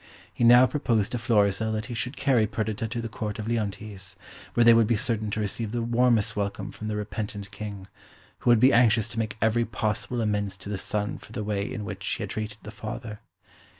He now proposed to Florizel that he should carry Perdita to the Court of Leontes, where they would be certain to receive the warmest welcome from the repentant King, who would be anxious to make every possible amends to the son for the way in which he had treated the father.